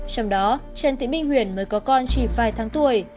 trong đó trần thị minh huyền mới có con chỉ vài tháng tuổi